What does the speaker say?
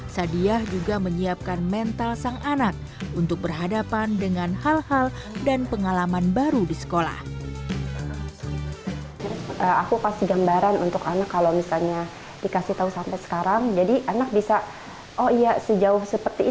sadiah juga menyiapkan mental sang anak untuk berhadapan dengan hal hal dan pengalaman baru di sekolah